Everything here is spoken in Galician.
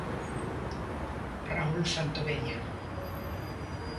Raúl Santoveña.